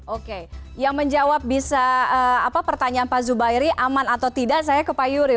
oke yang menjawab bisa pertanyaan pak zubairi aman atau tidak saya ke pak yuri